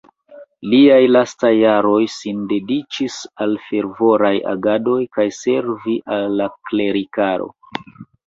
Liaj lastaj jaroj sin dediĉis al fervoraj agadoj kaj servi al la klerikaro.